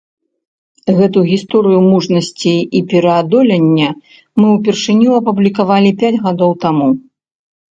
Гэту гісторыю мужнасці і пераадолення мы ўпершыню апублікавалі пяць гадоў таму.